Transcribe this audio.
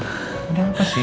udah apa sih